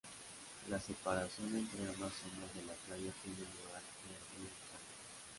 La separación entre ambas zonas de la playa tiene lugar por el río Jara.